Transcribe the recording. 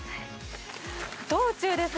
道中